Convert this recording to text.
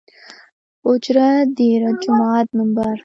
اوجره ، ديره ،جومات ،ممبر